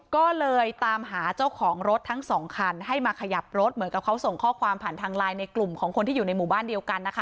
ก็เลยตามหาเจ้าของรถทั้งสองคันให้มาขยับรถเหมือนกับเขาส่งข้อความผ่านทางไลน์ในกลุ่มของคนที่อยู่ในหมู่บ้านเดียวกันนะคะ